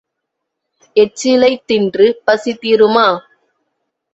எச்சிலைத் தின்று பசி தீருமா?